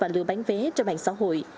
và lựa bán vé trên mạng xã hội